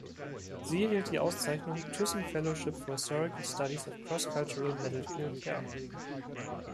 Sie erhielt die Auszeichnung „Thyssen fellowship for historical studies of cross-cultural medical care“.